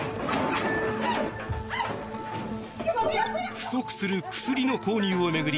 不足する薬の購入を巡り